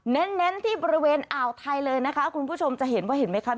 เน้นที่บริเวณอ่าวไทยเลยนะคะคุณผู้ชมจะเห็นว่าเห็นไหมคะ